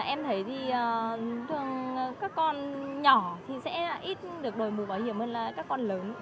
em thấy thì thường các con nhỏ thì sẽ ít được đổi mũ bảo hiểm hơn là các con lớn